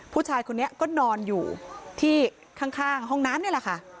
ผู้ชายคนนี้ก็นอนอยู่ที่ข้างห้องน้ำนี่แหละค่ะ